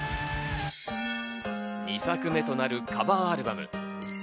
２作目となるカバーアルバム。